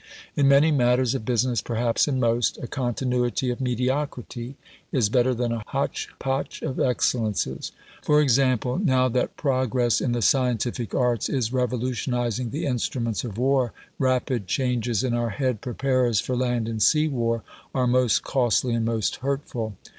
In many matters of business, perhaps in most, a continuity of mediocrity is better than a hotch potch of excellences. For example, now that progress in the scientific arts is revolutionising the instruments of war, rapid changes in our head preparers for land and sea war are most costly and most hurtful.